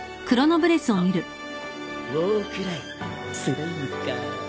ウォークライスライムか。